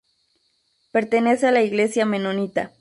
Pertenece a la iglesia menonita.